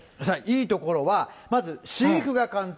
いいところは、まず飼育が簡単。